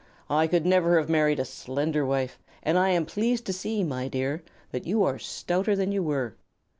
I could never have married a slender wife, and I am pleased to see, my dear, that you are stouter than you were."